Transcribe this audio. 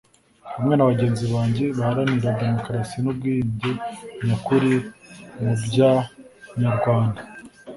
hamwe na begenzi banjye baharanira demokarasi n’umbwiyunge nyakuri mu byanyarwanda